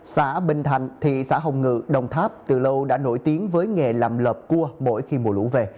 xã bình thạnh thị xã hồng ngự đồng tháp từ lâu đã nổi tiếng với nghề làm lợp cua mỗi khi mùa lũ về